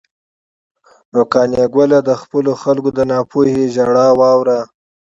نو قانع ګله، د خپلو خلکو د ناپوهۍ ژړا واوره.